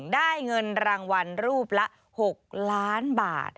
ได้เงินรางวัลรูปละ๖ล้านบาท